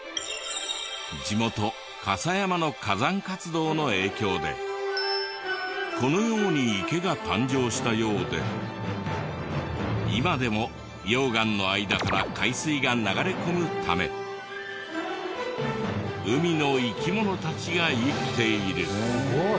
地元笠山の火山活動の影響でこのように池が誕生したようで今でも溶岩の間から海水が流れ込むため海の生き物たちが生きている。